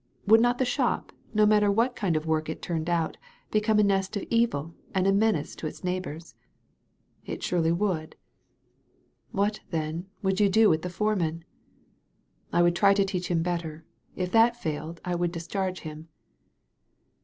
Would not the shop, no matter what kind of work it turned out, become a nest of evil and a menace to its neighbors?" "It surely would." "What, then, would you do with the foreman?" "I would try to teach him better. If that failed* I would discharge him."